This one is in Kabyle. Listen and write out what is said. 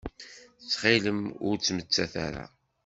Ttxil-m ur ttmettat ara.